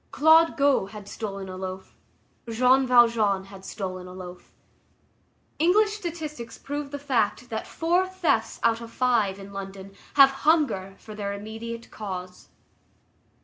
Claude Gaux had stolen a loaf; Jean Valjean had stolen a loaf. English statistics prove the fact that four thefts out of five in London have hunger for their immediate cause.